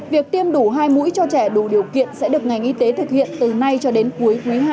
việc tiêm đủ hai mũi cho trẻ đủ điều kiện sẽ được ngành y tế thực hiện từ nay cho đến cuối cuối hai năm hai nghìn hai mươi hai